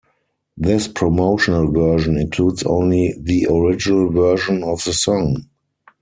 This promotional version includes only the original version of the song.